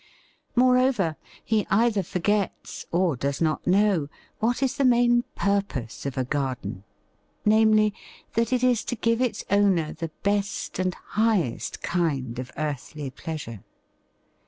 Moreover, he either forgets, or does not know, what is the main purpose of a garden, namely, that it is to give its owner the best and highest kind of earthly pleasure.